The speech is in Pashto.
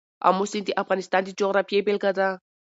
آمو سیند د افغانستان د جغرافیې بېلګه ده.